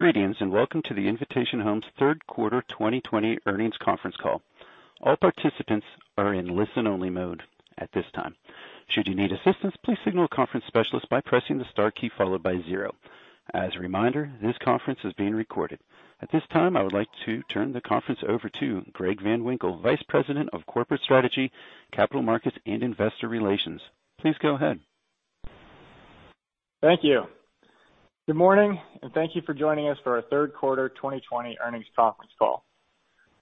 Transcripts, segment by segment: Greetings and welcome to the Invitation Homes Third Quarter 2020 Earnings Conference Call. All participants are in listen-only mode at this time. Should you need assistance, please signal a conference specialist by pressing the star key followed by zero. As a reminder, this conference is being recorded. At this time, I would like to turn the conference over to Greg Van Winkle, Vice President of Corporate Strategy, Capital Markets, and Investor Relations. Please go ahead. Thank you. Good morning, thank you for joining us for our Third Quarter 2020 Earnings Conference Call.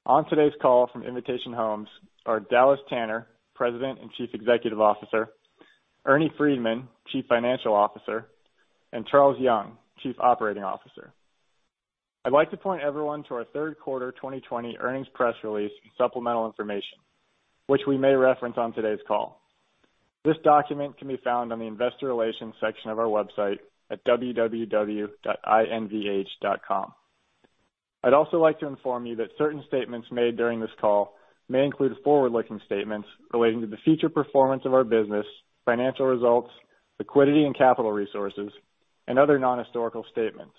On today's call from Invitation Homes are Dallas Tanner, President and Chief Executive Officer, Ernie Freedman, Chief Financial Officer, and Charles Young, Chief Operating Officer. I'd like to point everyone to our third quarter 2020 earnings press release and supplemental information, which we may reference on today's call. This document can be found on the investor relations section of our website at www.invh.com. I'd also like to inform you that certain statements made during this call may include forward-looking statements relating to the future performance of our business, financial results, liquidity and capital resources, and other non-historical statements,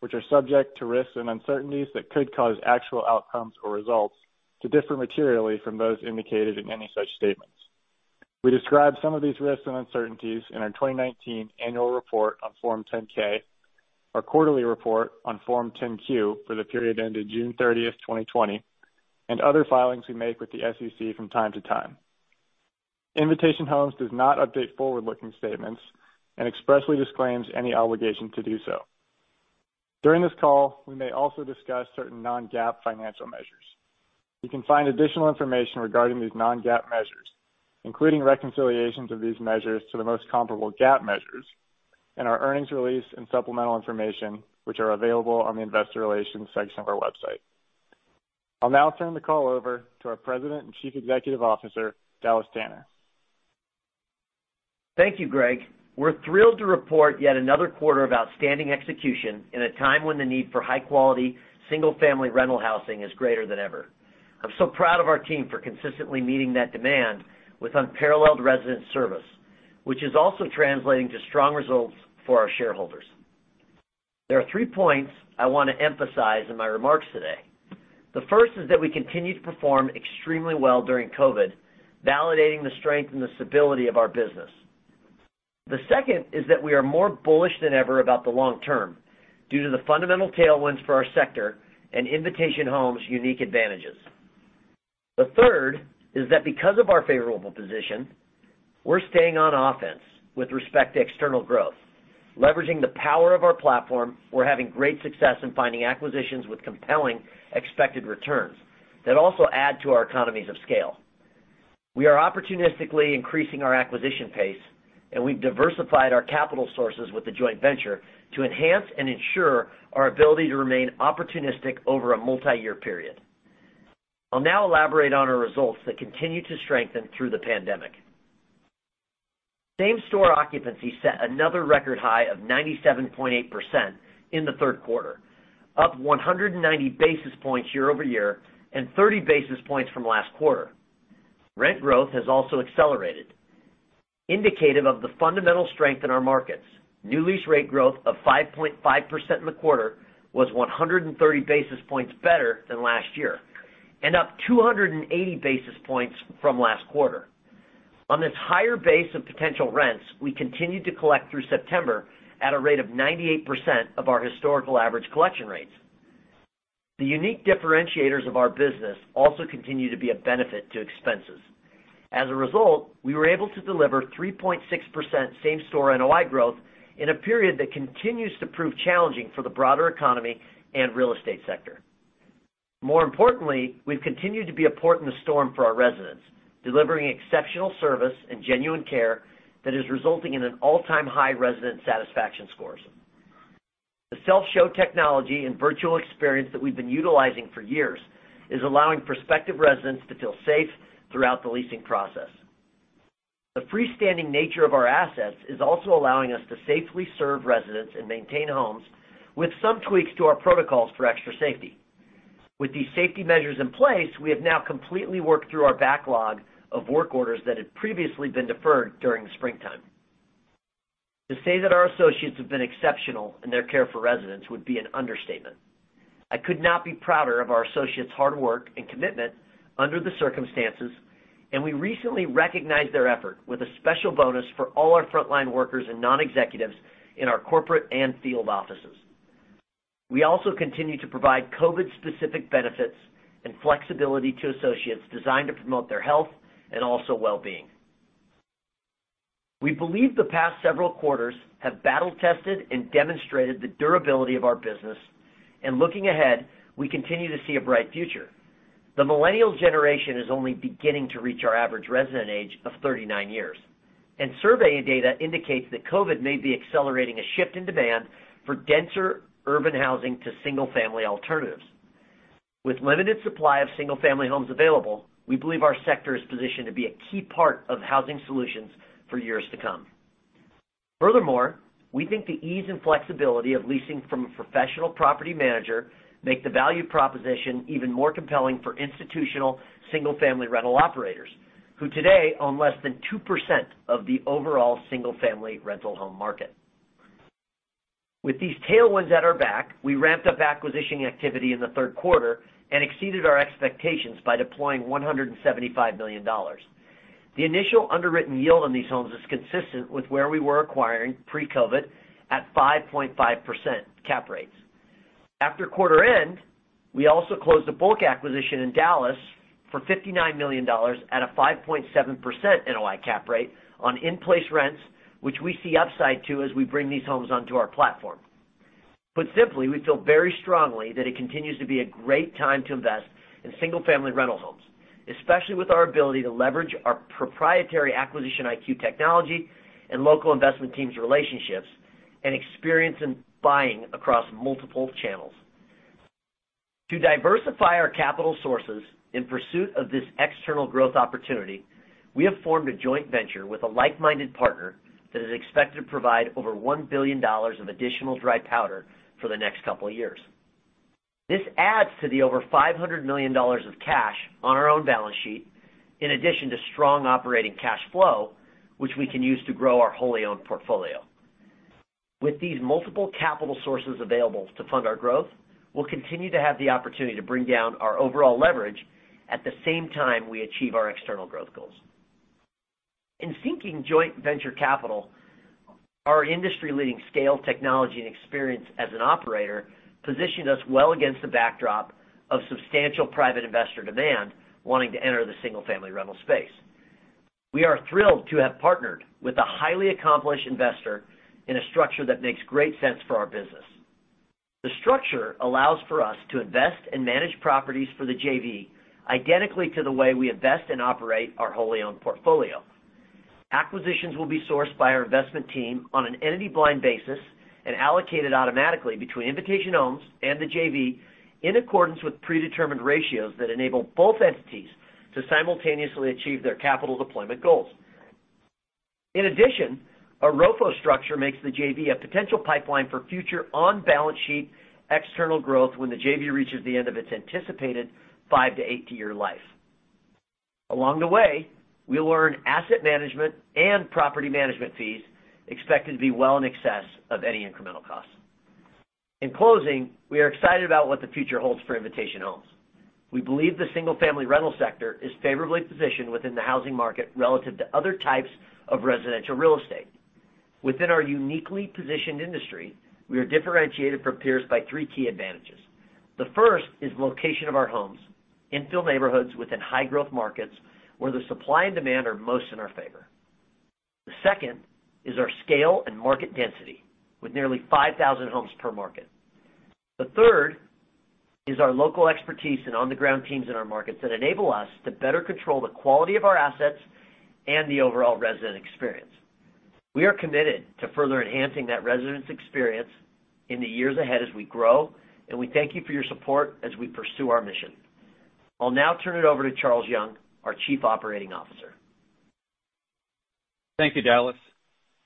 which are subject to risks and uncertainties that could cause actual outcomes or results to differ materially from those indicated in any such statements. We describe some of these risks and uncertainties in our 2019 annual report on Form 10-K, our quarterly report on Form 10-Q for the period ending June 30th, 2020, and other filings we make with the SEC from time to time. Invitation Homes does not update forward-looking statements and expressly disclaims any obligation to do so. During this call, we may also discuss certain non-GAAP financial measures. You can find additional information regarding these non-GAAP measures, including reconciliations of these measures to the most comparable GAAP measures in our earnings release and supplemental information, which are available on the investor relations section of our website. I'll now turn the call over to our President and Chief Executive Officer, Dallas Tanner. Thank you, Greg. We're thrilled to report yet another quarter of outstanding execution in a time when the need for high-quality single-family rental housing is greater than ever. I'm so proud of our team for consistently meeting that demand with unparalleled resident service, which is also translating to strong results for our shareholders. There are three points I want to emphasize in my remarks today. The first is that we continue to perform extremely well during COVID, validating the strength and the stability of our business. The second is that we are more bullish than ever about the long term, due to the fundamental tailwinds for our sector and Invitation Homes' unique advantages. The third is that because of our favorable position, we're staying on offense with respect to external growth. Leveraging the power of our platform, we're having great success in finding acquisitions with compelling expected returns that also add to our economies of scale. We are opportunistically increasing our acquisition pace, and we've diversified our capital sources with the joint venture to enhance and ensure our ability to remain opportunistic over a multiyear period. I'll now elaborate on our results that continue to strengthen through the pandemic. Same-store occupancy set another record high of 97.8% in the third quarter, up 190 basis points year-over-year and 30 basis points from last quarter. Rent growth has also accelerated, indicative of the fundamental strength in our markets. New lease rate growth of 5.5% in the quarter was 130 basis points better than last year, and up 280 basis points from last quarter. On this higher base of potential rents, we continued to collect through September at a rate of 98% of our historical average collection rates. The unique differentiators of our business also continue to be a benefit to expenses. As a result, we were able to deliver 3.6% same-store NOI growth in a period that continues to prove challenging for the broader economy and real estate sector. More importantly, we've continued to be a port in the storm for our residents, delivering exceptional service and genuine care that is resulting in an all-time high resident satisfaction scores. The self-show technology and virtual experience that we've been utilizing for years is allowing prospective residents to feel safe throughout the leasing process. The freestanding nature of our assets is also allowing us to safely serve residents and maintain homes with some tweaks to our protocols for extra safety. With these safety measures in place, we have now completely worked through our backlog of work orders that had previously been deferred during the springtime. To say that our associates have been exceptional in their care for residents would be an understatement. I could not be prouder of our associates' hard work and commitment under the circumstances, and we recently recognized their effort with a special bonus for all our frontline workers and non-executives in our corporate and field offices. We also continue to provide COVID-specific benefits and flexibility to associates designed to promote their health and also well-being. We believe the past several quarters have battle-tested and demonstrated the durability of our business, and looking ahead, we continue to see a bright future. The Millennial generation is only beginning to reach our average resident age of 39 years, and survey data indicates that COVID may be accelerating a shift in demand for denser urban housing to single-family alternatives. With limited supply of single-family homes available, we believe our sector is positioned to be a key part of housing solutions for years to come. Furthermore, we think the ease and flexibility of leasing from a professional property manager make the value proposition even more compelling for institutional single-family rental operators, who today own less than 2% of the overall single-family rental home market. With these tailwinds at our back, we ramped up acquisition activity in the third quarter and exceeded our expectations by deploying $175 million. The initial underwritten yield on these homes is consistent with where we were acquiring pre-COVID at 5.5% cap rates. After quarter end, we also closed a bulk acquisition in Dallas for $59 million at a 5.7% NOI cap rate on in-place rents, which we see upside to as we bring these homes onto our platform. Put simply, we feel very strongly that it continues to be a great time to invest in single-family rental homes, especially with our ability to leverage our proprietary acquisition IQ technology and local investment teams' relationships, and experience in buying across multiple channels. To diversify our capital sources in pursuit of this external growth opportunity, we have formed a joint venture with a like-minded partner that is expected to provide over $1 billion of additional dry powder for the next couple of years. This adds to the over $500 million of cash on our own balance sheet, in addition to strong operating cash flow, which we can use to grow our wholly owned portfolio. With these multiple capital sources available to fund our growth, we'll continue to have the opportunity to bring down our overall leverage at the same time we achieve our external growth goals. In seeking joint venture capital, our industry-leading scale, technology, and experience as an operator positioned us well against the backdrop of substantial private investor demand wanting to enter the single-family rental space. We are thrilled to have partnered with a highly accomplished investor in a structure that makes great sense for our business. The structure allows for us to invest and manage properties for the JV identically to the way we invest and operate our wholly owned portfolio. Acquisitions will be sourced by our investment team on an entity-blind basis and allocated automatically between Invitation Homes and the JV in accordance with predetermined ratios that enable both entities to simultaneously achieve their capital deployment goals. In addition, a ROFO structure makes the JV a potential pipeline for future on-balance-sheet external growth when the JV reaches the end of its anticipated five to eight-year life. Along the way, we will earn asset management and property management fees expected to be well in excess of any incremental cost. In closing, we are excited about what the future holds for Invitation Homes. We believe the single-family rental sector is favorably positioned within the housing market relative to other types of residential real estate. Within our uniquely positioned industry, we are differentiated from peers by three key advantages. The first is location of our homes, infill neighborhoods within high-growth markets where the supply and demand are most in our favor. The second is our scale and market density with nearly 5,000 homes per market. The third is our local expertise and on-the-ground teams in our markets that enable us to better control the quality of our assets and the overall resident experience. We are committed to further enhancing that resident experience in the years ahead as we grow. We thank you for your support as we pursue our mission. I'll now turn it over to Charles Young, our Chief Operating Officer. Thank you, Dallas.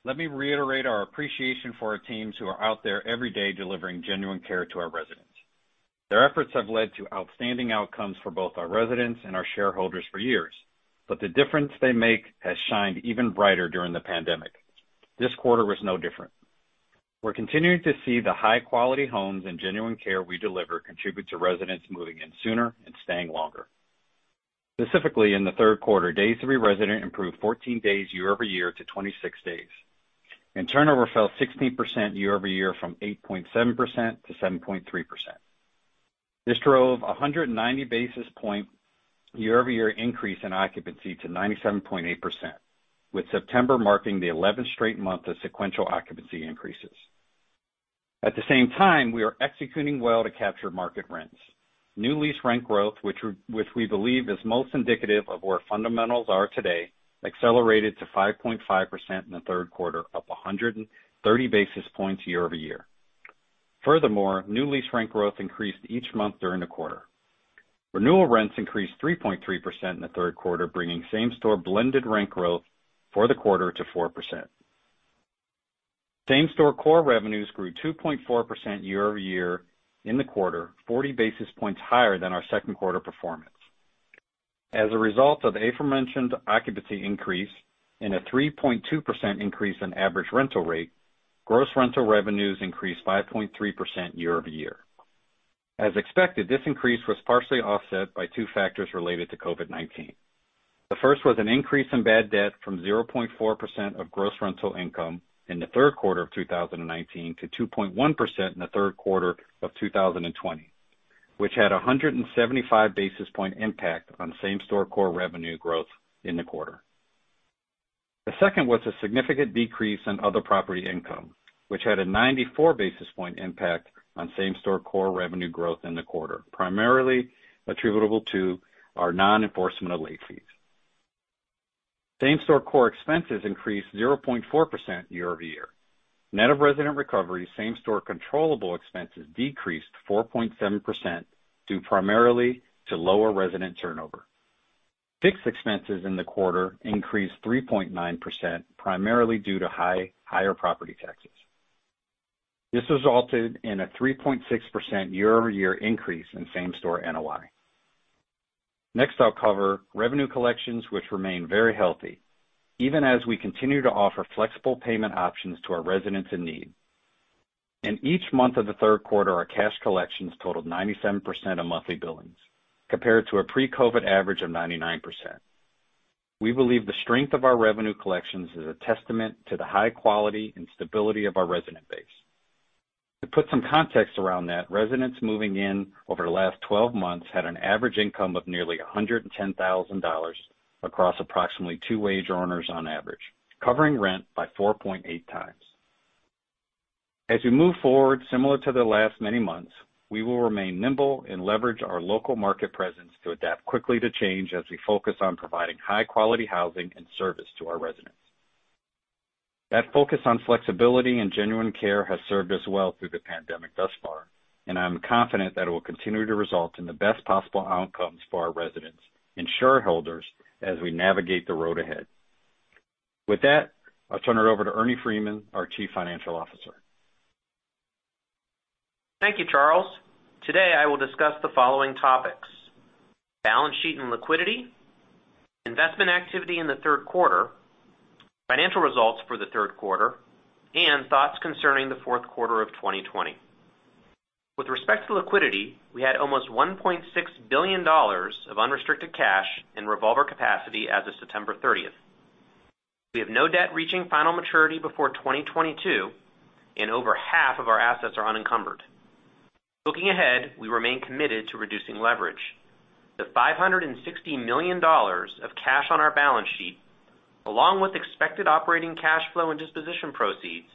Let me reiterate our appreciation for our teams who are out there every day delivering genuine care to our residents. Their efforts have led to outstanding outcomes for both our residents and our shareholders for years, but the difference they make has shined even brighter during the pandemic. This quarter was no different. We're continuing to see the high-quality homes and genuine care we deliver contribute to residents moving in sooner and staying longer. Specifically, in the third quarter, days to re-resident improved 14 days year-over-year to 26 days, and turnover fell 16% year-over-year from 8.7% to 7.3%. This drove 190 basis point year-over-year increase in occupancy to 97.8%, with September marking the 11th straight month of sequential occupancy increases. At the same time, we are executing well to capture market rents. New lease rent growth, which we believe is most indicative of where fundamentals are today, accelerated to 5.5% in the third quarter, up 130 basis points year over year. Furthermore, new lease rent growth increased each month during the quarter. Renewal rents increased 3.3% in the third quarter, bringing same-store blended rent growth for the quarter to 4%. Same-store core revenues grew 2.4% year-over-year in the quarter, 40 basis points higher than our second quarter performance. As a result of the aforementioned occupancy increase and a 3.2% increase in average rental rate, gross rental revenues increased 5.3% year-over-year. As expected, this increase was partially offset by two factors related to COVID-19. The first was an increase in bad debt from 0.4% of gross rental income in the third quarter of 2019 to 2.1% in the third quarter of 2020, which had 175 basis point impact on same-store core revenue growth in the quarter. The second was a significant decrease in other property income, which had a 94 basis point impact on same-store core revenue growth in the quarter, primarily attributable to our non-enforcement of late fees. Same-store core expenses increased 0.4% year-over-year. Net of resident recovery, same-store controllable expenses decreased 4.7% due primarily to lower resident turnover. Fixed expenses in the quarter increased 3.9%, primarily due to higher property taxes. This resulted in a 3.6% year-over-year increase in same-store NOI. Next, I'll cover revenue collections, which remain very healthy even as we continue to offer flexible payment options to our residents in need. In each month of the third quarter, our cash collections totaled 97% of monthly billings, compared to a pre-COVID average of 99%. We believe the strength of our revenue collections is a testament to the high quality and stability of our resident base. To put some context around that, residents moving in over the last 12 months had an average income of nearly $110,000 across approximately two wage earners on average, covering rent by 4.8x. As we move forward, similar to the last many months, we will remain nimble and leverage our local market presence to adapt quickly to change as we focus on providing high-quality housing and service to our residents. That focus on flexibility and genuine care has served us well through the pandemic thus far, and I'm confident that it will continue to result in the best possible outcomes for our residents and shareholders as we navigate the road ahead. With that, I'll turn it over to Ernie Freedman, our Chief Financial Officer. Thank you, Charles. Today I will discuss the following topics: balance sheet and liquidity, investment activity in the third quarter, financial results for the third quarter, and thoughts concerning the fourth quarter of 2020. With respect to liquidity, we had almost $1.6 billion of unrestricted cash and revolver capacity as of September 30th. We have no debt reaching final maturity before 2022, and over half of our assets are unencumbered. Looking ahead, we remain committed to reducing leverage. The $560 million of cash on our balance sheet, along with expected operating cash flow and disposition proceeds,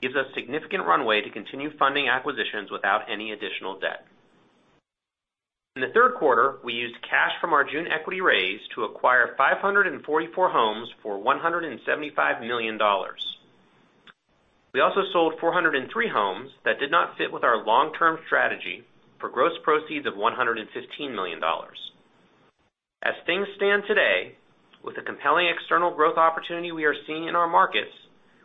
gives us significant runway to continue funding acquisitions without any additional debt. In the third quarter, we used cash from our June equity raise to acquire 544 homes for $175 million. We also sold 403 homes that did not fit with our long-term strategy for gross proceeds of $115 million. As things stand today, with the compelling external growth opportunity we are seeing in our markets,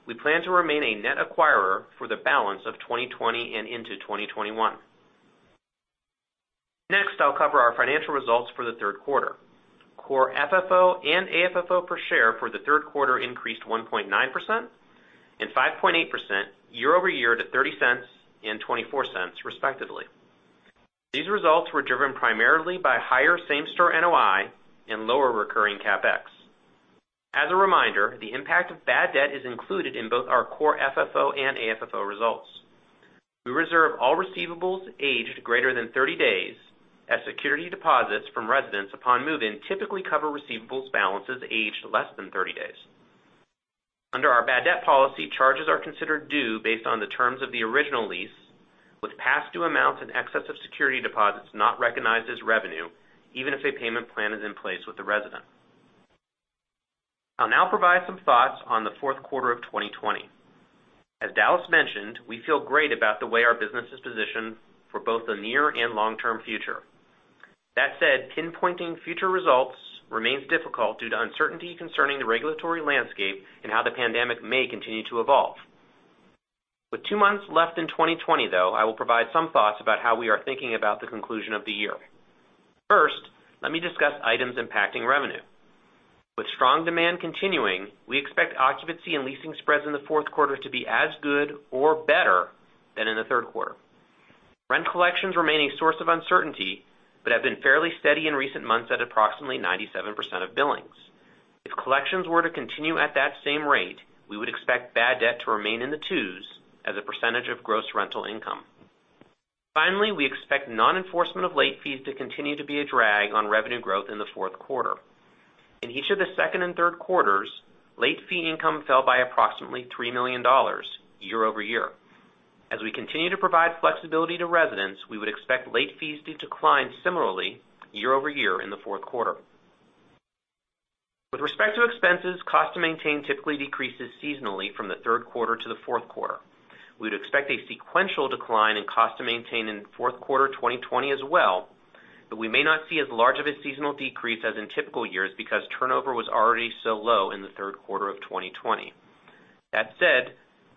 we plan to remain a net acquirer for the balance of 2020 and into 2021. Next, I'll cover our financial results for the third quarter. Core FFO and AFFO per share for the third quarter increased 1.9% and 5.8% year-over-year to $0.30 and $0.24 respectively. These results were driven primarily by higher same-store NOI and lower recurring CapEx. As a reminder, the impact of bad debt is included in both our core FFO and AFFO results. We reserve all receivables aged greater than 30 days as security deposits from residents upon move-in typically cover receivables balances aged less than 30 days. Under our bad debt policy, charges are considered due based on the terms of the original lease, with past due amounts in excess of security deposits not recognized as revenue even if a payment plan is in place with the resident. I'll now provide some thoughts on the fourth quarter of 2020. As Dallas mentioned, we feel great about the way our business is positioned for both the near and long-term future. That said, pinpointing future results remains difficult due to uncertainty concerning the regulatory landscape and how the pandemic may continue to evolve. With two months left in 2020, though, I will provide some thoughts about how we are thinking about the conclusion of the year. First, let me discuss items impacting revenue. With strong demand continuing, we expect occupancy and leasing spreads in the fourth quarter to be as good or better than in the third quarter. Rent collections remain a source of uncertainty, but have been fairly steady in recent months at approximately 97% of billings. If collections were to continue at that same rate, we would expect bad debt to remain in the twos as a percentage of gross rental income. Finally, we expect non-enforcement of late fees to continue to be a drag on revenue growth in the fourth quarter. In each of the second and third quarters, late fee income fell by approximately $3 million year-over-year. As we continue to provide flexibility to residents, we would expect late fees to decline similarly year-over-year in the fourth quarter. With respect to expenses, cost to maintain typically decreases seasonally from the third quarter to the fourth quarter. We'd expect a sequential decline in cost to maintain in fourth quarter 2020 as well, but we may not see as large of a seasonal decrease as in typical years because turnover was already so low in the third quarter of 2020. That said,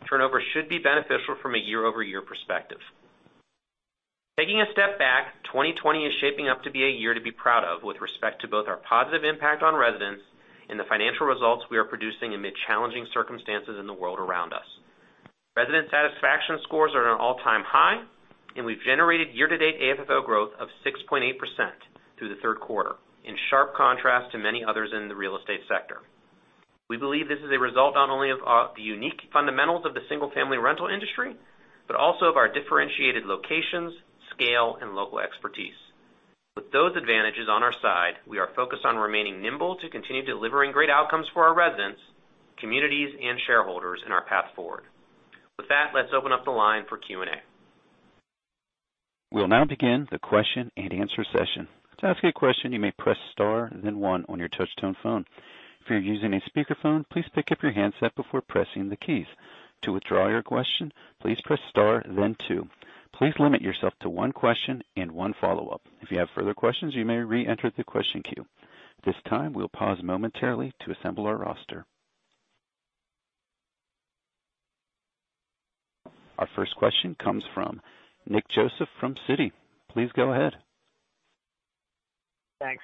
turnover should be beneficial from a year-over-year perspective. Taking a step back, 2020 is shaping up to be a year to be proud of with respect to both our positive impact on residents and the financial results we are producing amid challenging circumstances in the world around us. Resident satisfaction scores are at an all-time high, and we've generated year-to-date AFFO growth of 6.8% through the third quarter, in sharp contrast to many others in the real estate sector. We believe this is a result not only of the unique fundamentals of the single-family rental industry, but also of our differentiated locations, scale, and local expertise. With those advantages on our side, we are focused on remaining nimble to continue delivering great outcomes for our residents, communities, and shareholders in our path forward. With that, let's open up the line for Q&A. We'll now begin the question and answer session. To ask a question, you may press star then one on your touch tone phone. If you're using a speakerphone, please pick up your handset before pressing the keys. To withdraw your question, please press star then two. Please limit yourself to one question and one follow-up. If you have further questions, you may reenter the question queue. This time, we'll pause momentarily to assemble our roster. Our first question comes from Nick Joseph from Citi. Please go ahead. Thanks.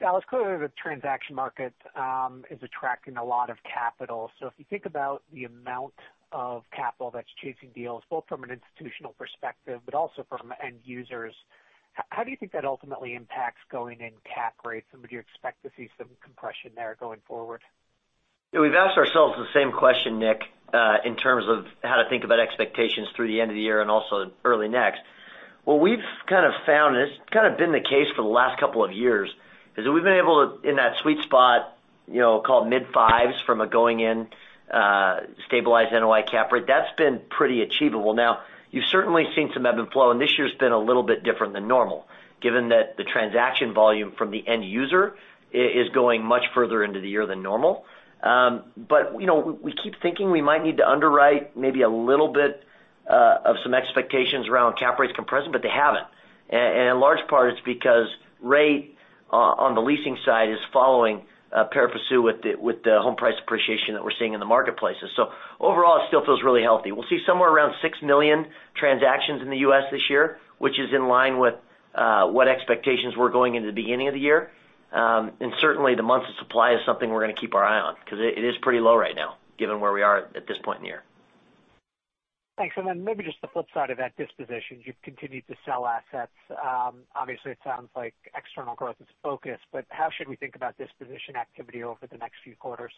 Dallas, clearly the transaction market is attracting a lot of capital. If you think about the amount of capital that's chasing deals, both from an institutional perspective, but also from end users, how do you think that ultimately impacts going-in cap rates? Would you expect to see some compression there going forward? Yeah. We've asked ourselves the same question, Nick, in terms of how to think about expectations through the end of the year and also early next. What we've kind of found, and it's kind of been the case for the last couple of years, is that we've been able to, in that sweet spot called mid-fives from a going-in stabilized NOI cap rate. That's been pretty achievable. Now, you've certainly seen some ebb and flow, and this year's been a little bit different than normal, given that the transaction volume from the end user is going much further into the year than normal. We keep thinking we might need to underwrite maybe a little bit of some expectations around cap rates compression, but they haven't. A large part is because rate on the leasing side is following pari passu with the home price appreciation that we're seeing in the marketplaces. Overall, it still feels really healthy. We'll see somewhere around 6 million transactions in the U.S. this year, which is in line with what expectations were going into the beginning of the year. Certainly the months of supply is something we're going to keep our eye on, because it is pretty low right now given where we are at this point in the year. Thanks. Maybe just the flip side of that, dispositions, you've continued to sell assets. Obviously, it sounds like external growth is focused, but how should we think about disposition activity over the next few quarters?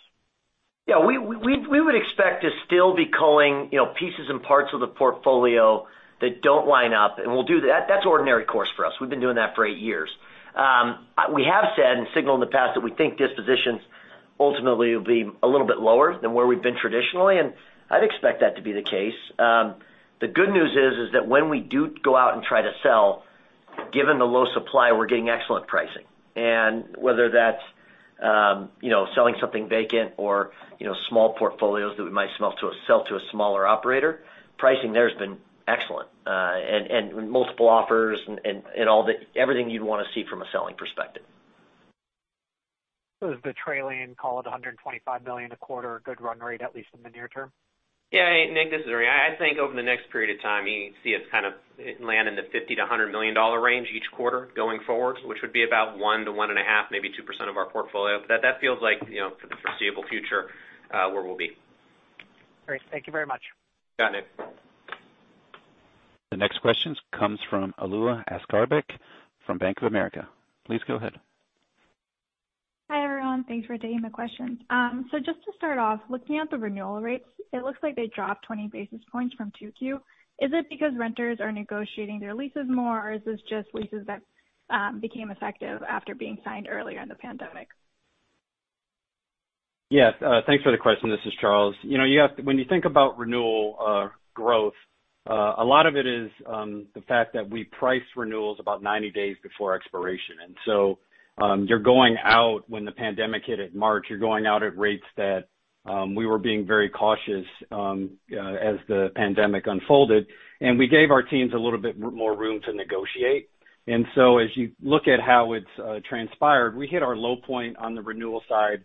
Yeah. We would expect to still be culling pieces and parts of the portfolio that don't line up, and we'll do that. That's ordinary course for us. We've been doing that for eight years. We have said and signaled in the past that we think dispositions ultimately will be a little bit lower than where we've been traditionally, and I'd expect that to be the case. The good news is that when we do go out and try to sell, given the low supply, we're getting excellent pricing. Whether that's selling something vacant or small portfolios that we might sell to a smaller operator, pricing there has been excellent. Multiple offers and everything you'd want to see from a selling perspective. Is the trailing call at $125 million a quarter a good run rate, at least in the near term? Yeah. Nick, this is Ernie. I think over the next period of time, you need to see us kind of land in the $50 million-$100 million range each quarter going forward, which would be about 1%-1.5%, maybe 2% of our portfolio. That feels like for the foreseeable future where we'll be. Great. Thank you very much. Got it. The next question comes from Alua Askarbek from Bank of America. Please go ahead. Hi, everyone. Thanks for taking the questions. Just to start off, looking at the renewal rates, it looks like they dropped 20 basis points from 2Q. Is it because renters are negotiating their leases more, or is this just leases that became effective after being signed earlier in the pandemic? Yes. Thanks for the question. This is Charles. When you think about renewal growth, a lot of it is the fact that we price renewals about 90 days before expiration. You're going out when the pandemic hit at March, you're going out at rates that we were being very cautious as the pandemic unfolded. We gave our teams a little bit more room to negotiate. As you look at how it's transpired, we hit our low point on the renewal side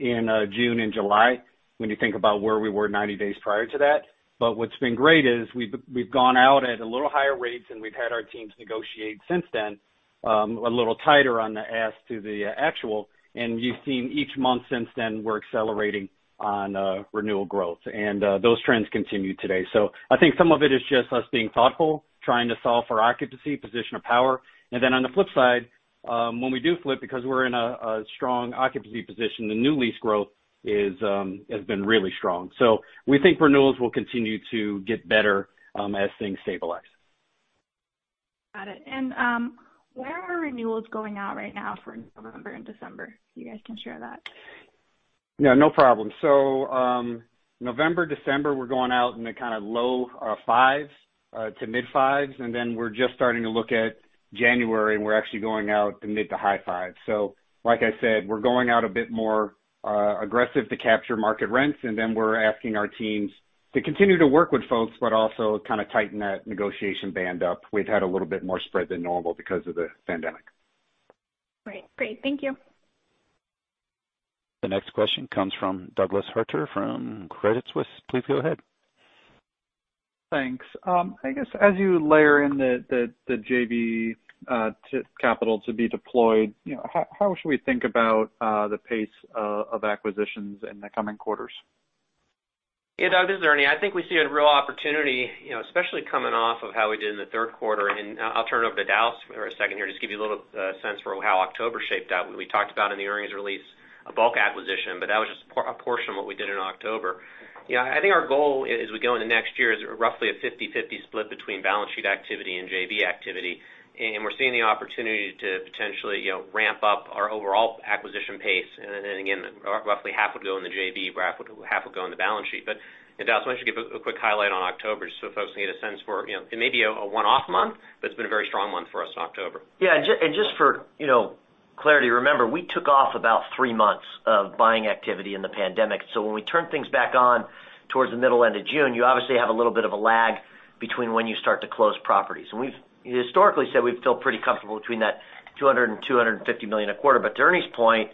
in June and July, when you think about where we were 90 days prior to that. What's been great is we've gone out at a little higher rates, and we've had our teams negotiate since then a little tighter on the ask to the actual. You've seen each month since then, we're accelerating on renewal growth. Those trends continue today. I think some of it is just us being thoughtful, trying to solve for occupancy, position of power. On the flip side, when we do flip, because we're in a strong occupancy position, the new lease growth has been really strong. We think renewals will continue to get better as things stabilize. Got it. Where are renewals going out right now for November and December? You guys can share that. Yeah, no problem. November, December, we're going out in the kind of low 5% to mid-5%, and then we're just starting to look at January, and we're actually going out to mid-5% to high-5%. Like I said, we're going out a bit more aggressive to capture market rents, and then we're asking our teams to continue to work with folks but also kind of tighten that negotiation band up. We've had a little bit more spread than normal because of the pandemic. Great. Thank you. The next question comes from Douglas Harter from Credit Suisse. Please go ahead. Thanks. I guess as you layer in the JV capital to be deployed, how should we think about the pace of acquisitions in the coming quarters? Yeah, Doug, this is Ernie. I think we see a real opportunity, especially coming off of how we did in the third quarter. I'll turn it over to Dallas for a second here, just to give you a little sense for how October shaped up. We talked about in the earnings release a bulk acquisition, that was just a portion of what we did in October. Yeah, I think our goal as we go into next year is roughly a 50/50 split between balance sheet activity and JV activity. We're seeing the opportunity to potentially ramp up our overall acquisition pace. Again, roughly half will go in the JV, half will go on the balance sheet. Dallas, why don't you give a quick highlight on October so folks can get a sense for it. It may be a one-off month, but it's been a very strong month for us in October. Yeah. Just for clarity, remember, we took off about three months of buying activity in the pandemic. When we turned things back on towards the middle, end of June, you obviously have a little bit of a lag between when you start to close properties. We've historically said we feel pretty comfortable between that $200 million-$250 million a quarter. To Ernie's point,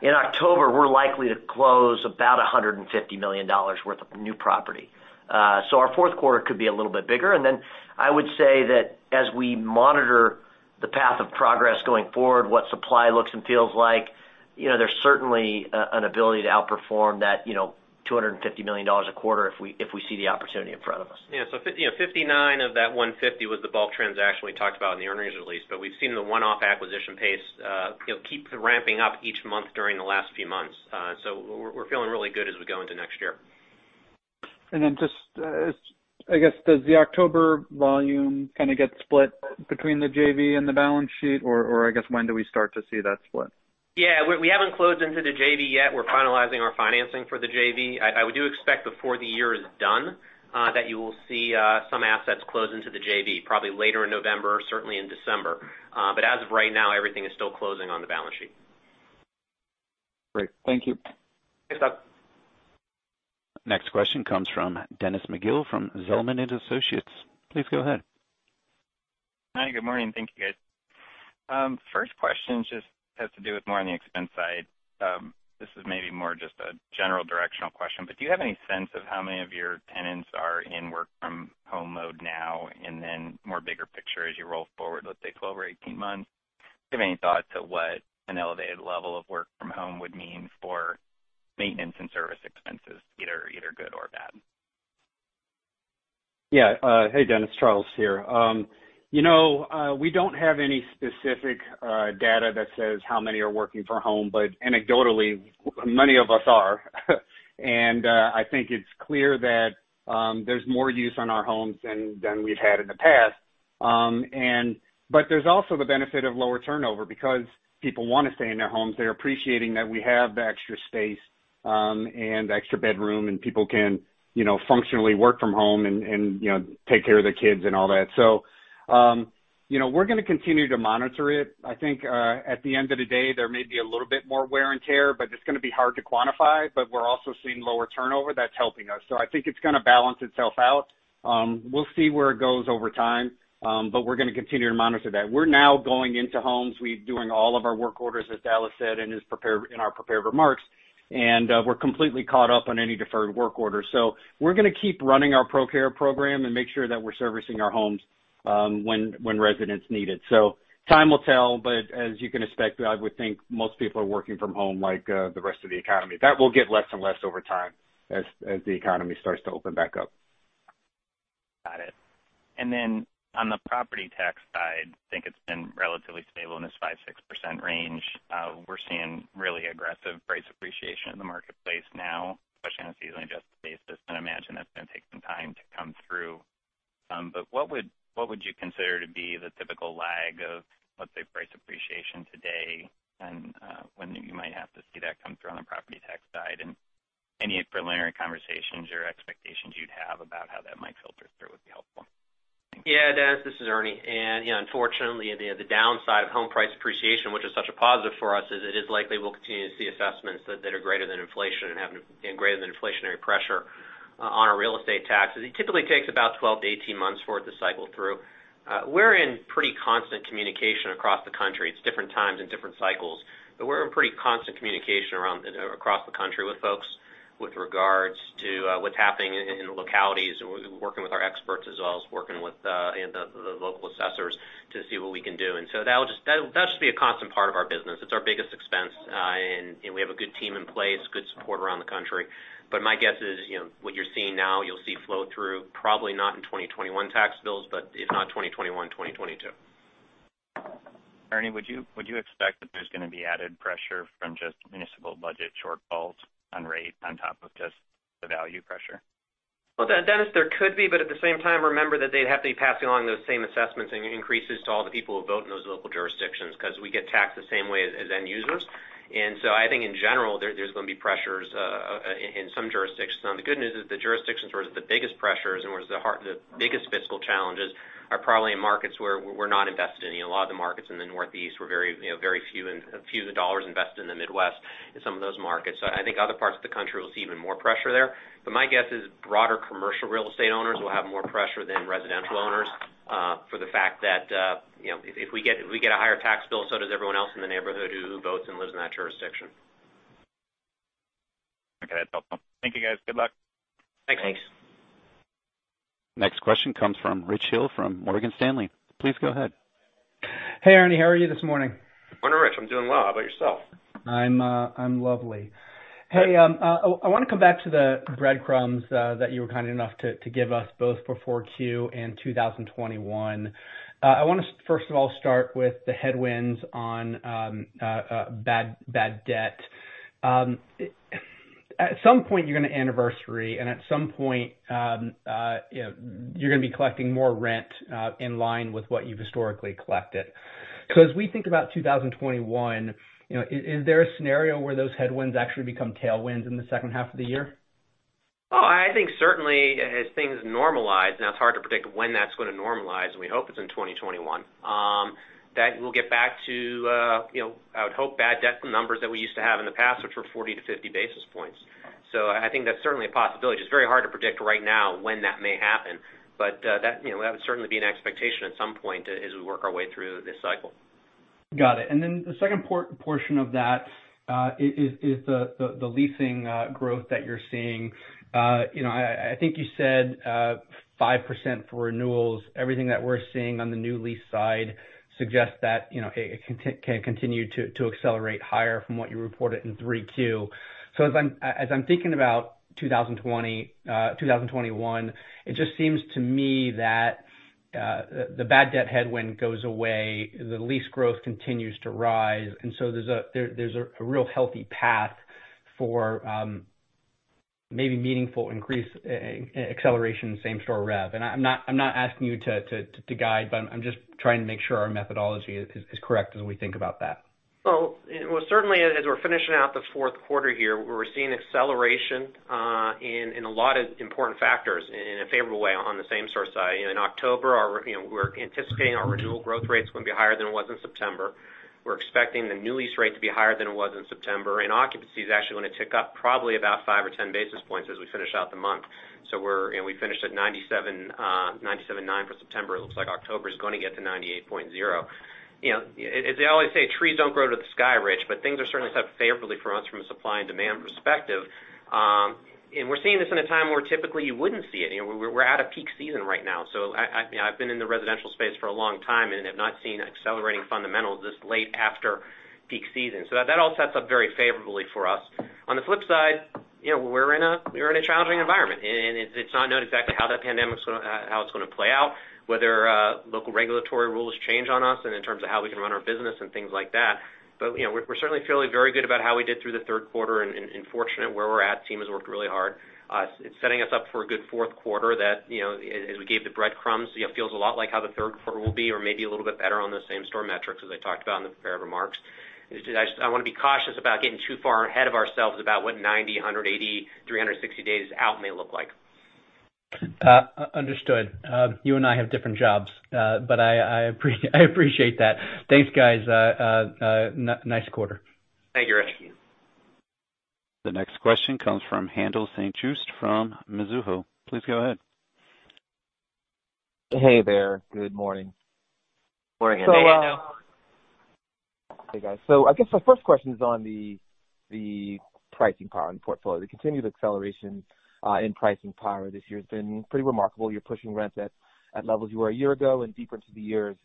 in October, we're likely to close about $150 million worth of new property. Our fourth quarter could be a little bit bigger. I would say that as we monitor the path of progress going forward, what supply looks and feels like, there's certainly an ability to outperform that $250 million a quarter if we see the opportunity in front of us. Yeah. $59 million of that $150 million was the bulk transaction we talked about in the earnings release. We've seen the one-off acquisition pace keep ramping up each month during the last few months. We're feeling really good as we go into next year. Just, I guess, does the October volume kind of get split between the JV and the balance sheet, or I guess, when do we start to see that split? We haven't closed into the JV yet. We're finalizing our financing for the JV. I do expect before the year is done that you will see some assets close into the JV, probably later in November, certainly in December. As of right now, everything is still closing on the balance sheet. Great. Thank you. Thanks, Doug. Next question comes from Dennis McGill from Zelman & Associates. Please go ahead. Hi, good morning. Thank you, guys. First question just has to do with more on the expense side. This is maybe more just a general directional question, but do you have any sense of how many of your tenants are in work-from-home mode now and then more bigger picture as you roll forward, let's say, 12 or 18 months? Do you have any thought to what an elevated level of work from home would mean for maintenance and service expenses, either good or bad? Yeah. Hey, Dennis. Charles here. We don't have any specific data that says how many are working from home. Anecdotally, many of us are. I think it's clear that there's more use on our homes than we've had in the past. There's also the benefit of lower turnover because people want to stay in their homes. They're appreciating that we have the extra space and extra bedroom. People can functionally work from home and take care of their kids and all that. We're going to continue to monitor it. I think at the end of the day, there may be a little bit more wear and tear. It's going to be hard to quantify. We're also seeing lower turnover that's helping us. I think it's going to balance itself out. We'll see where it goes over time, but we're going to continue to monitor that. We're now going into homes. We're doing all of our work orders, as Dallas said in our prepared remarks, and we're completely caught up on any deferred work orders. We're going to keep running our ProCare program and make sure that we're servicing our homes when residents need it. Time will tell, but as you can expect, I would think most people are working from home like the rest of the economy. That will get less and less over time as the economy starts to open back up. Got it. On the property tax side, I think it's been relatively stable in this 5%-6% range. We're seeing really aggressive price appreciation in the marketplace now, especially on a seasonally adjusted basis, and I imagine that's going to take some time to come through. What would you consider to be the typical lag of, let's say, price appreciation today, and when you might have to see that come through on the property tax side? Any preliminary conversations or expectations you'd have about how that might filter through would be helpful. Thank you. Yeah. Dennis, this is Ernie. Yeah, unfortunately, the downside of home price appreciation, which is such a positive for us, is it is likely we'll continue to see assessments that are greater than inflation and greater than inflationary pressure on our real estate taxes. It typically takes about 12 to 18 months for it to cycle through. We're in pretty constant communication across the country. It's different times and different cycles, but we're in pretty constant communication across the country with folks with regards to what's happening in localities, and we're working with our experts as well as working with the local assessors to see what we can do. So that'll just be a constant part of our business. It's our biggest expense, and we have a good team in place, good support around the country. My guess is, what you're seeing now, you'll see flow through probably not in 2021 tax bills, but if not 2021, 2022. Ernie, would you expect that there's going to be added pressure from just municipal budget shortfalls on rates on top of just the value pressure? Well, Dennis, there could be, but at the same time, remember that they'd have to be passing along those same assessments and increases to all the people who vote in those local jurisdictions because we get taxed the same way as end users. I think in general, there's going to be pressures in some jurisdictions. Now, the good news is the jurisdictions where it's the biggest pressures and where it's the biggest fiscal challenges are probably in markets where we're not invested in. A lot of the markets in the Northeast, we're very few and few of the dollars invested in the Midwest and some of those markets. I think other parts of the country will see even more pressure there. My guess is broader commercial real estate owners will have more pressure than residential owners for the fact that if we get a higher tax bill, so does everyone else in the neighborhood who votes and lives in that jurisdiction. Okay. That's helpful. Thank you, guys. Good luck. Thanks. Next question comes from Rich Hill from Morgan Stanley. Please go ahead. Hey, Ernie, how are you this morning? Morning, Rich. I'm doing well. How about yourself? I'm lovely. Hey, I want to come back to the breadcrumbs that you were kind enough to give us both for 4Q and 2021. I want to first of all start with the headwinds on bad debt. At some point, you're going to anniversary, and at some point, you're going to be collecting more rent in line with what you've historically collected. As we think about 2021, is there a scenario where those headwinds actually become tailwinds in the second half of the year? I think certainly as things normalize, now it's hard to predict when that's going to normalize, we hope it's in 2021, that we'll get back to, I would hope, bad debt numbers that we used to have in the past, which were 40-50 basis points. I think that's certainly a possibility. Just very hard to predict right now when that may happen. That would certainly be an expectation at some point as we work our way through this cycle. Got it. The second portion of that is the leasing growth that you're seeing. I think you said 5% for renewals. Everything that we're seeing on the new lease side suggests that it can continue to accelerate higher from what you reported in 3Q. As I'm thinking about 2021, it just seems to me that the bad debt headwind goes away, the lease growth continues to rise, and so there's a real healthy path for maybe meaningful increase in acceleration same-store rev. I'm not asking you to guide, but I'm just trying to make sure our methodology is correct as we think about that. Well, certainly as we're finishing out the fourth quarter here, we're seeing acceleration in a lot of important factors in a favorable way on the same-store side. In October, we're anticipating our renewal growth rate's going to be higher than it was in September. We're expecting the new lease rate to be higher than it was in September, and occupancy is actually going to tick up probably about five or 10 basis points as we finish out the month. We finished at 97.9% for September. It looks like October is going to get to 98.0%. As they always say, trees don't grow to the sky, Rich. Things are certainly set up favorably for us from a supply and demand perspective. We're seeing this in a time where typically you wouldn't see it. We're out of peak season right now. I've been in the residential space for a long time and have not seen accelerating fundamentals this late after peak season. That all sets up very favorably for us. On the flip side, we're in a challenging environment, and it's not known exactly how that pandemic is going to play out, whether local regulatory rules change on us and in terms of how we can run our business and things like that. We're certainly feeling very good about how we did through the third quarter and fortunate where we're at. Team has worked really hard. It's setting us up for a good fourth quarter that, as we gave the breadcrumbs, feels a lot like how the third quarter will be or maybe a little bit better on the same store metrics as I talked about in the prepared remarks. I want to be cautious about getting too far ahead of ourselves about what 90, 180, 360 days out may look like. Understood. You and I have different jobs. I appreciate that. Thanks, guys. Nice quarter. Thank you, Rich. The next question comes from Haendel St. Juste from Mizuho. Please go ahead. Hey there. Good morning. Morning, Haendel. Hey, guys. I guess my first question is on the pricing power and portfolio. The continued acceleration in pricing power this year has been pretty remarkable. You're pushing rents at levels you were a year ago and deeper into the years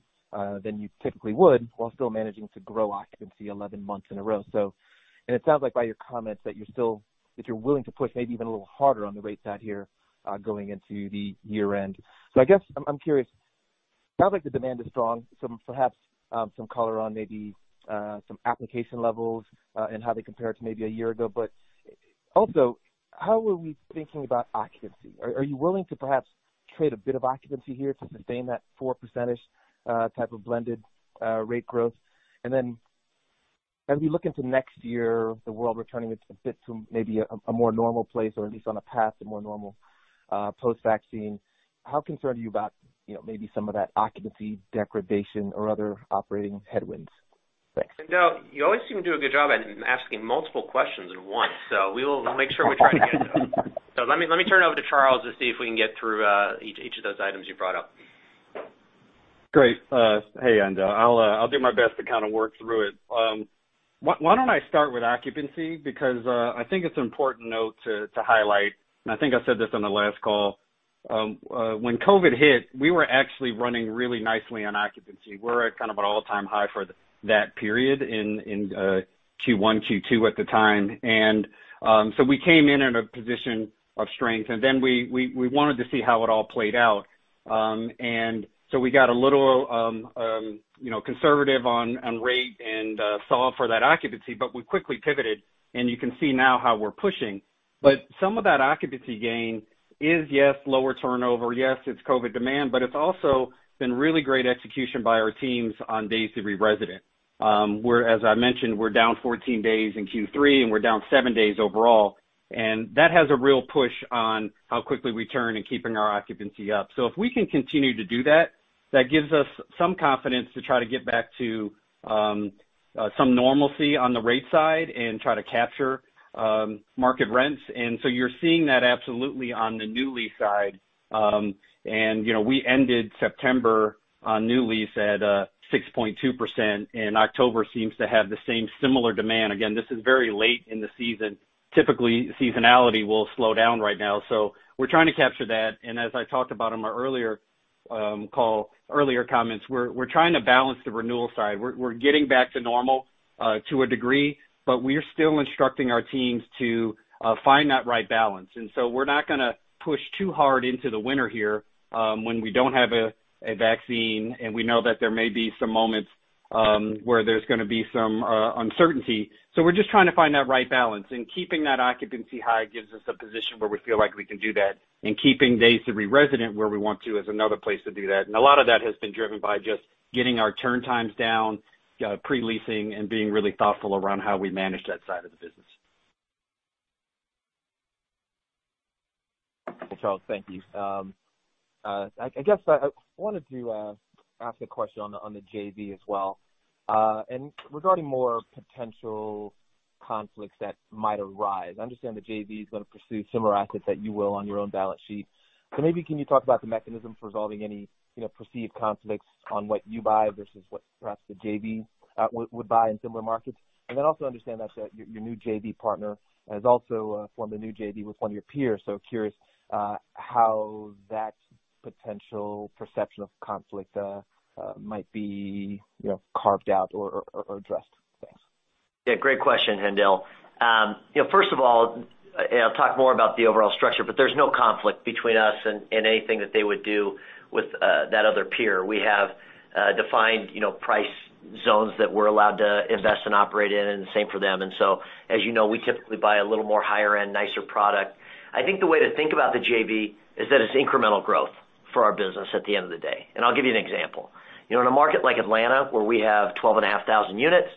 than you typically would while still managing to grow occupancy 11 months in a row. It sounds like by your comments that you're willing to push maybe even a little harder on the rate side here going into the year-end. I guess I'm curious, it sounds like the demand is strong. Perhaps some color on maybe some application levels and how they compare to maybe a year ago. Also, how are we thinking about occupancy? Are you willing to perhaps trade a bit of occupancy here to sustain that 4 percentage type of blended rate growth? As we look into next year, the world returning a bit to maybe a more normal place or at least on a path to more normal, post-vaccine, how concerned are you about maybe some of that occupancy degradation or other operating headwinds? Thanks. Haendel, you always seem to do a good job at asking multiple questions at once. We'll make sure we try to get to them. Let me turn it over to Charles to see if we can get through each of those items you brought up. Great. Hey, Haendel. I'll do my best to kind of work through it. Why don't I start with occupancy, because I think it's an important note to highlight, and I think I said this on the last call. When COVID hit, we were actually running really nicely on occupancy. We're at kind of an all-time high for that period in Q1, Q2 at the time. So we came in in a position of strength, then we wanted to see how it all played out. So we got a little conservative on rate and saw for that occupancy, but we quickly pivoted, and you can see now how we're pushing. Some of that occupancy gain is, yes, lower turnover, yes, it's COVID demand, but it's also been really great execution by our teams on days to re-resident, where, as I mentioned, we're down 14 days in Q3, and we're down seven days overall. That has a real push on how quickly we turn and keeping our occupancy up. If we can continue to do that gives us some confidence to try to get back to some normalcy on the rate side and try to capture market rents. You're seeing that absolutely on the new lease side. We ended September on new lease at 6.2%, and October seems to have the same similar demand. Again, this is very late in the season. Typically, seasonality will slow down right now. We're trying to capture that. As I talked about in my earlier call, earlier comments, we're trying to balance the renewal side. We're getting back to normal to a degree, but we are still instructing our teams to find that right balance. We're not going to push too hard into the winter here when we don't have a vaccine, and we know that there may be some moments where there's going to be some uncertainty. We're just trying to find that right balance, and keeping that occupancy high gives us a position where we feel like we can do that, and keeping days to re-resident where we want to is another place to do that. A lot of that has been driven by just getting our turn times down, pre-leasing, and being really thoughtful around how we manage that side of the business. Charles, thank you. I guess I wanted to ask a question on the JV as well. Regarding more potential conflicts that might arise, I understand the JV is going to pursue similar assets that you will on your own balance sheet. Maybe can you talk about the mechanism for resolving any perceived conflicts on what you buy versus what perhaps the JV would buy in similar markets? Also understand that your new JV partner has also formed a new JV with one of your peers. Curious how that potential perception of conflict might be carved out or addressed. Thanks. Great question, Haendel. First of all, I'll talk more about the overall structure, there's no conflict between us and anything that they would do with that other peer. We have defined price zones that we're allowed to invest and operate in, the same for them. As you know, we typically buy a little more higher end, nicer product. I think the way to think about the JV is that it's incremental growth for our business at the end of the day. I'll give you an example. In a market like Atlanta, where we have 12,500 units,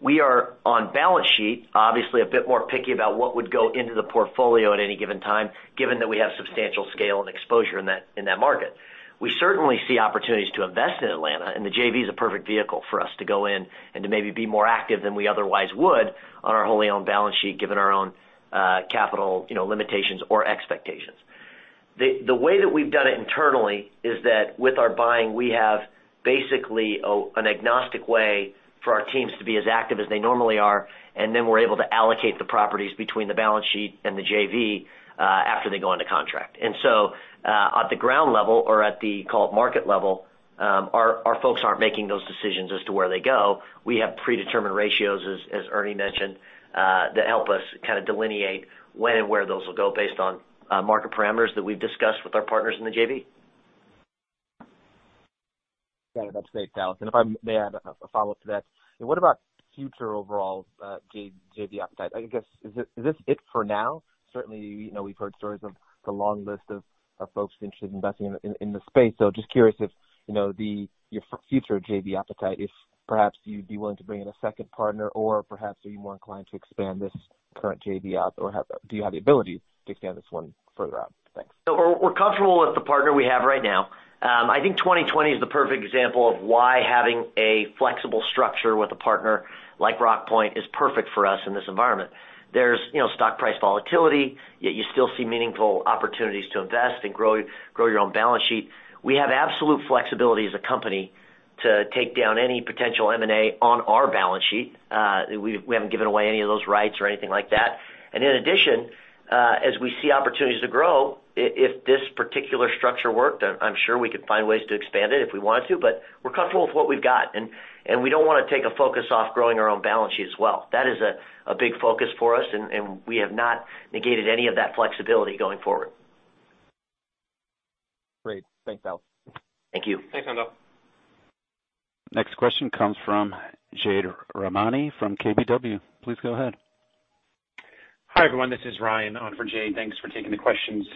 we are on balance sheet, obviously a bit more picky about what would go into the portfolio at any given time, given that we have substantial scale and exposure in that market. We certainly see opportunities to invest in Atlanta, and the JV is a perfect vehicle for us to go in and to maybe be more active than we otherwise would on our wholly owned balance sheet, given our own capital limitations or expectations. The way that we've done it internally is that with our buying, we have basically an agnostic way for our teams to be as active as they normally are, and then we're able to allocate the properties between the balance sheet and the JV, after they go into contract. At the ground level or at the call it market level, our folks aren't making those decisions as to where they go. We have predetermined ratios, as Ernie mentioned, that help us kind of delineate when and where those will go based on market parameters that we've discussed with our partners in the JV. Got it. That's safe, Dallas. If I may add a follow-up to that, what about future overall JV appetite? I guess, is this it for now? Certainly, we've heard stories of the long list of folks interested in investing in the space. Just curious if your future JV appetite, if perhaps you'd be willing to bring in a second partner or perhaps are you more inclined to expand this current JV out, or do you have the ability to expand this one further out? Thanks. We're comfortable with the partner we have right now. I think 2020 is the perfect example of why having a flexible structure with a partner like Rockpoint is perfect for us in this environment. There's stock price volatility, yet you still see meaningful opportunities to invest and grow your own balance sheet. We have absolute flexibility as a company to take down any potential M&A on our balance sheet. We haven't given away any of those rights or anything like that. In addition, as we see opportunities to grow, if this particular structure worked, I'm sure we could find ways to expand it if we wanted to, but we're comfortable with what we've got, and we don't want to take a focus off growing our own balance sheet as well. That is a big focus for us, and we have not negated any of that flexibility going forward. Great. Thanks, Dallas. Thank you. Thanks, Haendel. Next question comes from Jade Rahmani from KBW. Please go ahead. Hi, everyone, this is Ryan on for Jade. Thanks for taking the questions.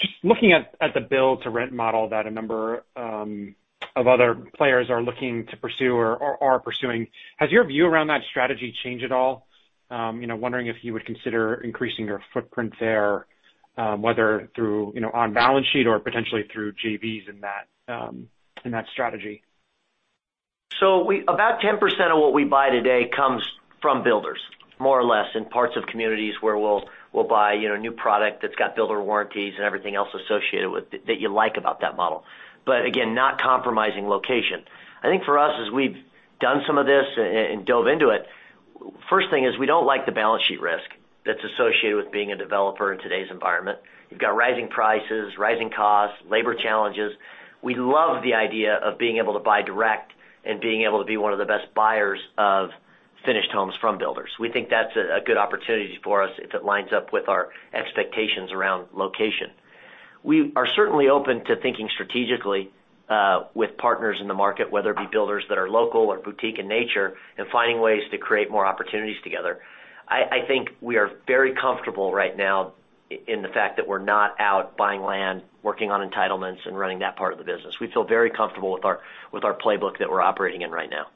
Just looking at the build-to-rent model that a number of other players are looking to pursue or are pursuing, has your view around that strategy changed at all? I'm wondering if you would consider increasing your footprint there, whether through on-balance sheet or potentially through JVs in that strategy. About 10% of what we buy today comes from builders, more or less in parts of communities where we'll buy new product that's got builder warranties and everything else associated with it that you like about that model. Again, not compromising location. I think for us, as we've done some of this and dove into it, first thing is we don't like the balance sheet risk that's associated with being a developer in today's environment. You've got rising prices, rising costs, labor challenges. We love the idea of being able to buy direct and being able to be one of the best buyers of finished homes from builders. We think that's a good opportunity for us if it lines up with our expectations around location. We are certainly open to thinking strategically, with partners in the market, whether it be builders that are local or boutique in nature, and finding ways to create more opportunities together. I think we are very comfortable right now in the fact that we're not out buying land, working on entitlements, and running that part of the business. We feel very comfortable with our playbook that we're operating in right now.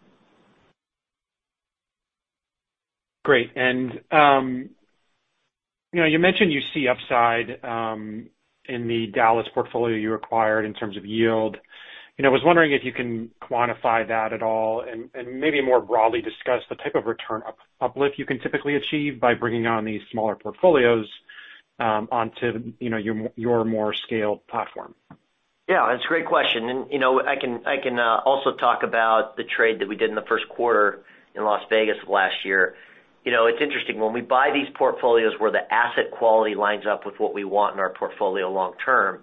Great. You mentioned you see upside in the Dallas portfolio you acquired in terms of yield. I was wondering if you can quantify that at all and maybe more broadly discuss the type of return uplift you can typically achieve by bringing on these smaller portfolios onto your more scaled platform. Yeah, that's a great question. I can also talk about the trade that we did in the first quarter in Las Vegas of last year. It's interesting, when we buy these portfolios where the asset quality lines up with what we want in our portfolio long term,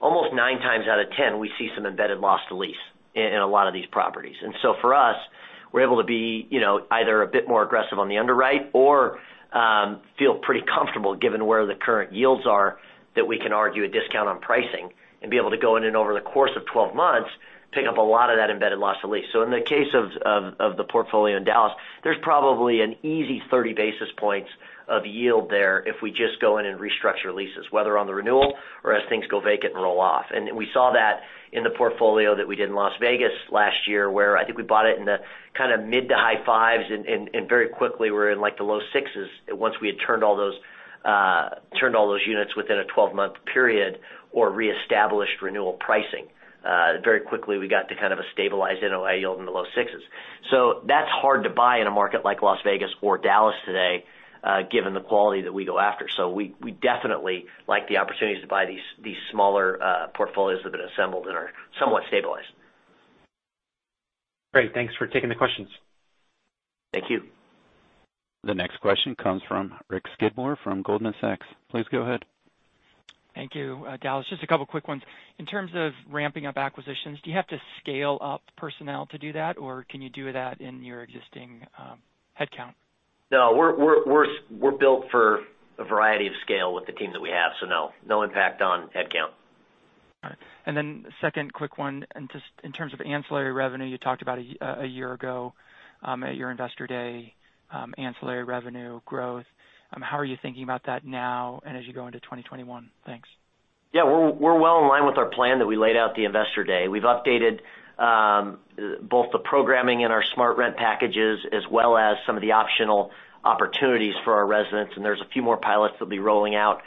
almost nine times out of 10, we see some embedded loss to lease in a lot of these properties. For us, we're able to be either a bit more aggressive on the underwrite or feel pretty comfortable given where the current yields are, that we can argue a discount on pricing and be able to go in and over the course of 12 months, pick up a lot of that embedded loss to lease. In the case of the portfolio in Dallas, there's probably an easy 30 basis points of yield there if we just go in and restructure leases, whether on the renewal or as things go vacant and roll off. We saw that in the portfolio that we did in Las Vegas last year, where I think we bought it in the mid to high fives, and very quickly we're in the low sixes. Once we had turned all those units within a 12-month period or re-established renewal pricing. Very quickly, we got to a stabilized NOI yield in the low sixes. That's hard to buy in a market like Las Vegas or Dallas today, given the quality that we go after. We definitely like the opportunities to buy these smaller portfolios that have been assembled and are somewhat stabilized. Great. Thanks for taking the questions. Thank you. The next question comes from Rick Skidmore from Goldman Sachs. Please go ahead. Thank you. Dallas, just a couple of quick ones. In terms of ramping up acquisitions, do you have to scale up personnel to do that, or can you do that in your existing headcount? No, we're built for a variety of scale with the team that we have. No. No impact on headcount. All right. Second quick one, in terms of ancillary revenue, you talked about a year ago, at your Investor Day, ancillary revenue growth. How are you thinking about that now and as you go into 2021? Thanks. We're well in line with our plan that we laid out at the Investor Day. We've updated both the programming in our SmartRent packages as well as some of the optional opportunities for our residents, there's a few more pilots that'll be rolling out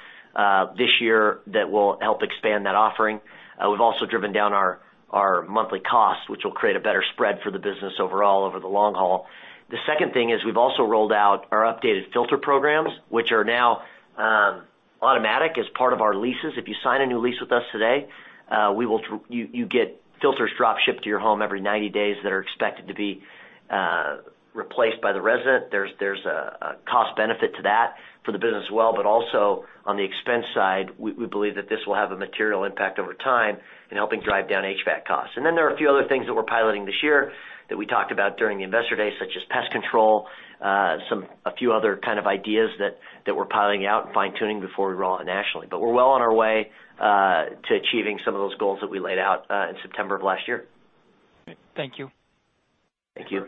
this year that will help expand that offering. We've also driven down our monthly costs, which will create a better spread for the business overall over the long haul. The second thing is we've also rolled out our updated filter programs, which are now automatic as part of our leases. If you sign a new lease with us today, you get filters drop-shipped to your home every 90 days that are expected to be replaced by the resident. There's a cost benefit to that for the business as well, but also on the expense side, we believe that this will have a material impact over time in helping drive down HVAC costs. There are a few other things that we're piloting this year that we talked about during the Investor Day, such as pest control, a few other kind of ideas that we're piloting out and fine-tuning before we roll out nationally. We're well on our way to achieving some of those goals that we laid out in September of last year. Thank you. Thank you.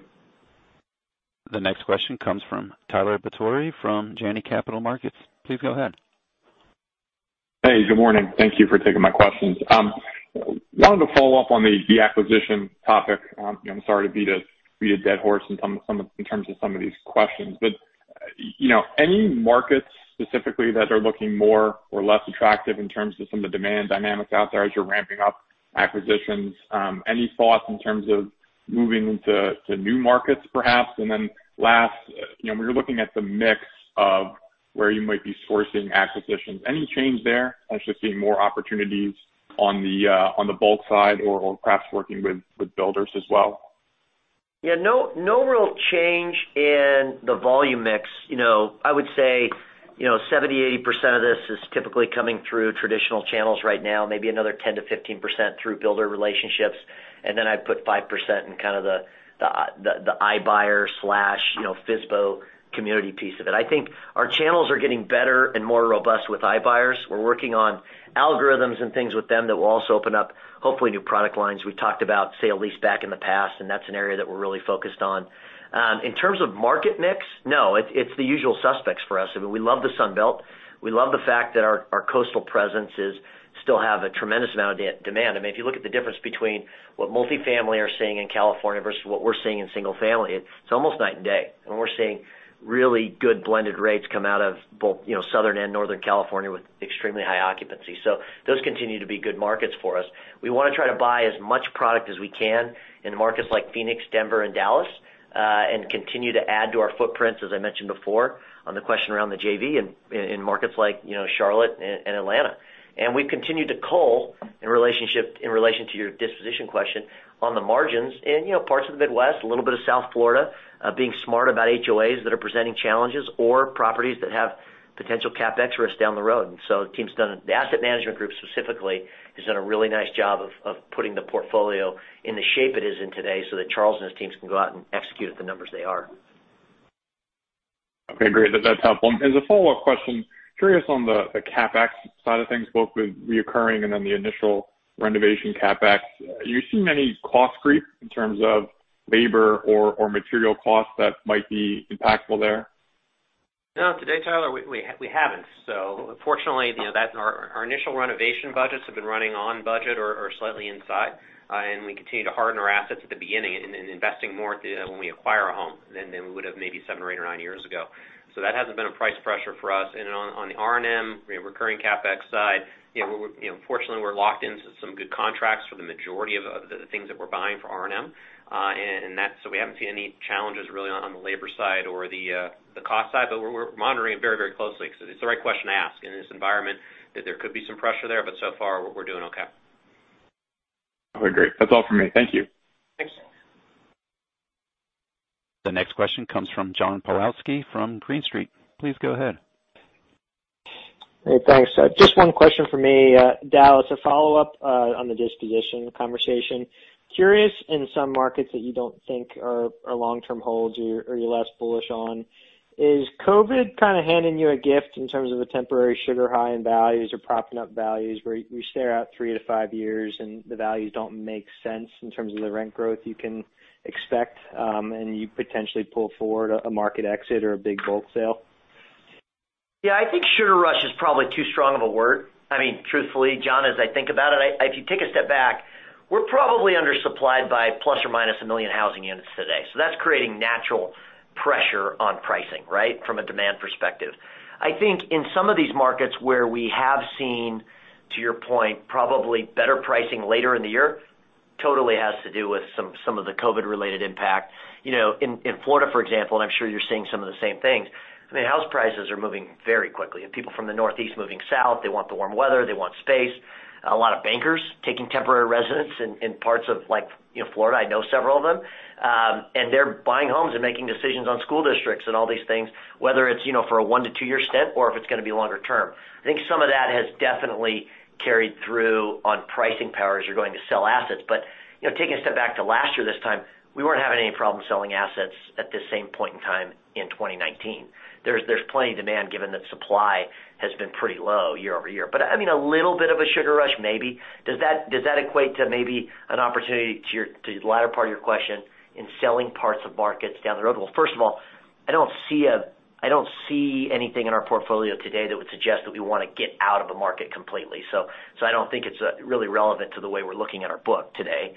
The next question comes from Tyler Batory from Janney Capital Markets. Please go ahead. Hey, good morning. Thank you for taking my questions. Wanted to follow up on the acquisition topic. I'm sorry to beat a dead horse in terms of some of these questions. Any markets specifically that are looking more or less attractive in terms of some of the demand dynamics out there as you're ramping up acquisitions? Any thoughts in terms of moving into new markets, perhaps? Last, when you're looking at the mix of where you might be sourcing acquisitions, any change there? Potentially seeing more opportunities on the bulk side or perhaps working with builders as well? Yeah, no real change in the volume mix. I would say, 70%-80% of this is typically coming through traditional channels right now, maybe another 10%-15% through builder relationships. Then I'd put 5% in kind of the iBuyer/FSBO community piece of it. I think our channels are getting better and more robust with iBuyers. We're working on algorithms and things with them that will also open up hopefully new product lines. We talked about sale-lease back in the past, that's an area that we're really focused on. In terms of market mix, no. It's the usual suspects for us. We love the Sun Belt. We love the fact that our coastal presence still has a tremendous amount of demand. If you look at the difference between what multifamily are seeing in California versus what we're seeing in single family, it's almost night and day. We're seeing really good blended rates come out of both Southern and Northern California with extremely high occupancy. Those continue to be good markets for us. We want to try to buy as much product as we can in markets like Phoenix, Denver, and Dallas, and continue to add to our footprint, as I mentioned before, on the question around the JV in markets like Charlotte and Atlanta. We've continued to cull, in relation to your disposition question, on the margins in parts of the Midwest, a little bit of South Florida, being smart about HOAs that are presenting challenges or properties that have potential CapEx risk down the road. The asset management group specifically has done a really nice job of putting the portfolio in the shape it is in today so that Charles and his teams can go out and execute at the numbers they are. Okay, great. That's helpful. As a follow-up question, curious on the CapEx side of things, both with recurring and then the initial renovation CapEx. Are you seeing any cost creep in terms of labor or material costs that might be impactful there? No. To date, Tyler, we haven't. Fortunately, our initial renovation budgets have been running on budget or slightly inside. We continue to harden our assets at the beginning and investing more when we acquire a home than we would've maybe seven or eight or nine years ago. That hasn't been a price pressure for us. On the R&M, recurring CapEx side, fortunately, we're locked into some good contracts for the majority of the things that we're buying for R&M. We haven't seen any challenges really on the labor side or the cost side, but we're monitoring it very closely because it's the right question to ask in this environment, that there could be some pressure there, but so far we're doing okay. Okay, great. That's all for me. Thank you. Thanks. The next question comes from John Pawlowski from Green Street. Please go ahead. Hey, thanks. Just one question from me. Dallas, a follow-up on the disposition conversation. Curious, in some markets that you don't think are long-term holds or you're less bullish on, is COVID kind of handing you a gift in terms of a temporary sugar high in values or propping up values where you stare out three to five years and the values don't make sense in terms of the rent growth you can expect, and you potentially pull forward a market exit or a big bulk sale? Yeah, I think sugar rush is probably too strong of a word. Truthfully, John, as I think about it, if you take a step back, we're probably undersupplied by plus or minus a million housing units today. That's creating natural pressure on pricing, right, from a demand perspective. I think in some of these markets where we have seen, to your point, probably better pricing later in the year, totally has to do with some of the COVID-related impact. In Florida, for example, and I'm sure you're seeing some of the same things, house prices are moving very quickly. You have people from the Northeast moving south. They want the warm weather. They want space. A lot of bankers taking temporary residence in parts of Florida. I know several of them. They're buying homes and making decisions on school districts and all these things, whether it's for a one to two-year stint or if it's going to be longer term. I think some of that has definitely carried through on pricing power as you're going to sell assets. Taking a step back to last year this time, we weren't having any problem selling assets at this same point in time in 2019. There's plenty of demand given that supply has been pretty low year-over-year. A little bit of a sugar rush, maybe. Does that equate to maybe an opportunity, to the latter part of your question, in selling parts of markets down the road? First of all, I don't see anything in our portfolio today that would suggest that we want to get out of a market completely. I don't think it's really relevant to the way we're looking at our book today.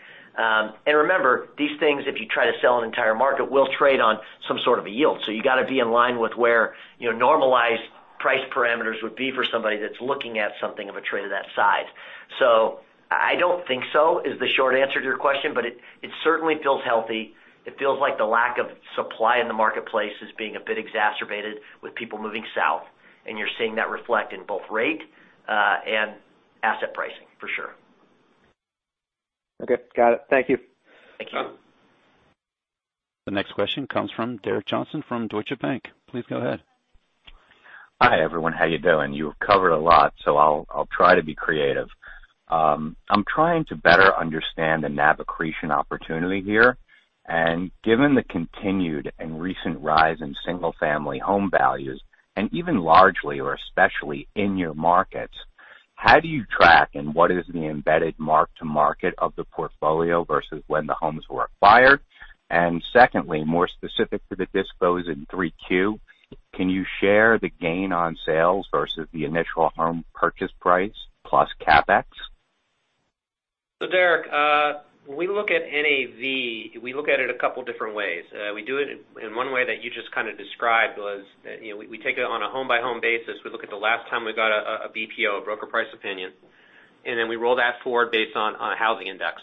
Remember, these things, if you try to sell an entire market, will trade on some sort of a yield. You got to be in line with where normalized price parameters would be for somebody that's looking at something of a trade of that size. I don't think so, is the short answer to your question, but it certainly feels healthy. It feels like the lack of supply in the marketplace is being a bit exacerbated with people moving south, and you're seeing that reflect in both rate and asset pricing, for sure. Okay. Got it. Thank you. Thank you. The next question comes from Derek Johnston from Deutsche Bank. Please go ahead. Hi, everyone. How you doing? You've covered a lot, so I'll try to be creative. I'm trying to better understand the NAV accretion opportunity here. Given the continued and recent rise in single-family home values, and even largely or especially in your markets, how do you track and what is the embedded mark-to-market of the portfolio versus when the homes were acquired? Secondly, more specific to the dispos in 3Q, can you share the gain on sales versus the initial home purchase price plus CapEx? Derek, when we look at NAV, we look at it a couple different ways. We do it in one way that you just kind of described, was we take it on a home-by-home basis. We look at the last time we got a BPO, a broker price opinion, and then we roll that forward based on a housing index.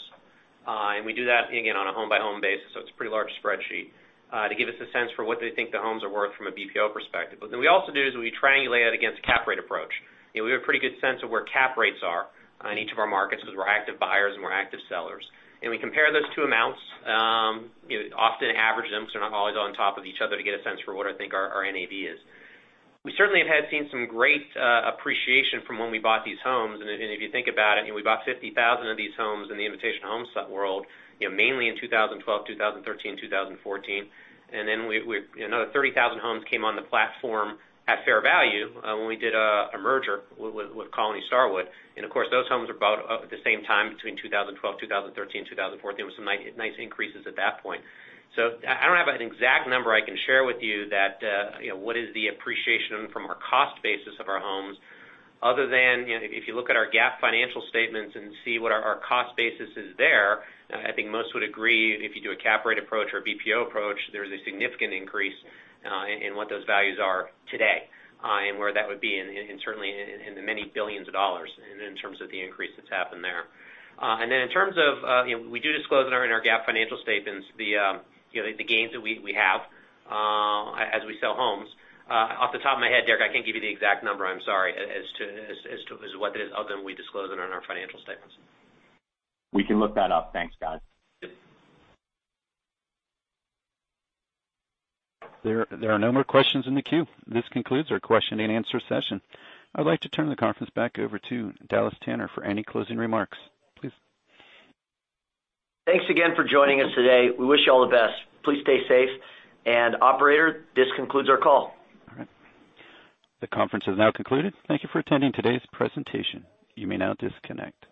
We do that, again, on a home-by-home basis, so it's a pretty large spreadsheet, to give us a sense for what they think the homes are worth from a BPO perspective. What we also do is we triangulate it against a cap rate approach. We have a pretty good sense of where cap rates are in each of our markets because we're active buyers and we're active sellers. We compare those two amounts, often average them so they're not always on top of each other to get a sense for what I think our NAV is. We certainly have seen some great appreciation from when we bought these homes. If you think about it, we bought 50,000 of these homes in the Invitation Homes world, mainly in 2012, 2013, 2014. Then another 30,000 homes came on the platform at fair value when we did a merger with Colony Starwood. Of course, those homes were bought at the same time between 2012, 2013, 2014. There was some nice increases at that point. I don't have an exact number I can share with you that what is the appreciation from our cost basis of our homes, other than if you look at our GAAP financial statements and see what our cost basis is there, I think most would agree if you do a cap rate approach or a BPO approach, there's a significant increase in what those values are today and where that would be, and certainly in the many billions of dollars in terms of the increase that's happened there. We do disclose in our GAAP financial statements the gains that we have as we sell homes. Off the top of my head, Derek, I can't give you the exact number, I'm sorry, as to what it is other than we disclose it on our financial statements. We can look that up. Thanks, guys. Yep. There are no more questions in the queue. This concludes our question and answer session. I'd like to turn the conference back over to Dallas Tanner for any closing remarks. Please. Thanks again for joining us today. We wish you all the best. Please stay safe. Operator, this concludes our call. All right. The conference has now concluded. Thank you for attending today's presentation. You may now disconnect.